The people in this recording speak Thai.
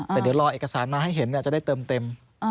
แต่เดี๋ยวรอเอกสารมาให้เห็นจะได้เติมเต็ม